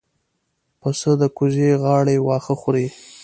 پسه د کوزې غاړې واښه خوري.